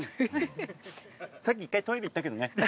さっき１回トイレ行ったけどね。